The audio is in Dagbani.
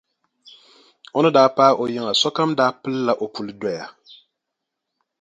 O ni daa paai o yiŋa sokam daa pilla o puli doya.